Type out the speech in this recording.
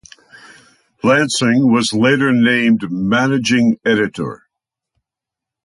Lansing was later named managing editor.